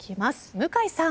向井さん。